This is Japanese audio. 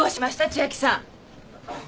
千明さん。